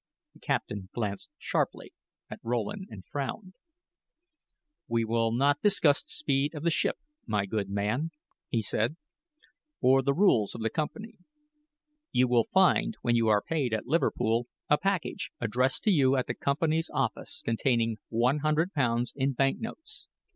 The captain glanced sharply at Rowland and frowned. "We will not discuss the speed of the ship, my good man," he said, "or the rules of the company. You will find, when you are paid at Liverpool, a package addressed to you at the company's office containing one hundred pounds in banknotes.